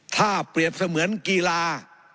ถ้าเปรียบเสมือนกีฬา